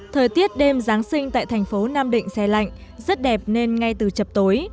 thời tiết đêm giáng sinh tại thành phố nam định xe lạnh rất đẹp nên ngay từ chập tối